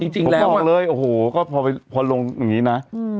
จริงแล้วผมบอกเลยโอ้โหก็พอลงอย่างนี้นะ